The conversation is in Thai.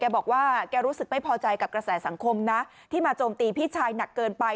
บอกว่าแกรู้สึกไม่พอใจกับกระแสสังคมนะที่มาโจมตีพี่ชายหนักเกินไป